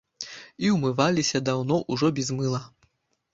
І ўмываліся даўно ўжо без мыла.